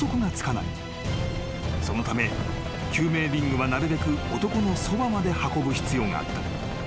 ［そのため救命リングはなるべく男のそばまで運ぶ必要があった］